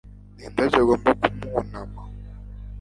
Ni indabyo agomba kumwunama